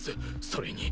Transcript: それに。